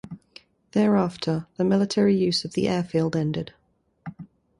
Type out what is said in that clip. Thereafter the military use of the airfield ended.